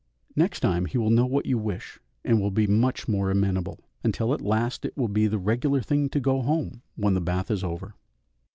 Next time he will know what you wish and will be much more amenable, until at last it will be the regular thing to go home when the bath is over.